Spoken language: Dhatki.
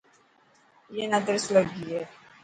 اي نا ترس لگي هي.